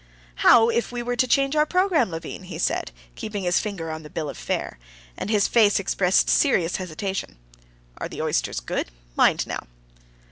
"How if we were to change our program, Levin?" he said, keeping his finger on the bill of fare. And his face expressed serious hesitation. "Are the oysters good? Mind now."